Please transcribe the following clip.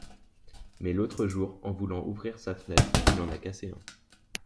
Mais l’autre jour, en voulant ouvrir sa fenêtre, il en a cassé un !…